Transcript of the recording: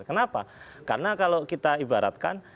kenapa karena kalau kita ibaratkan